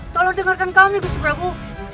tolong dengarkan kami gusupragu